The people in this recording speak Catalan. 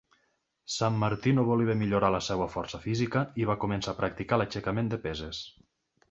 Sammartino volia millorar la seva força física i va començar a practicar l"aixecament de peses.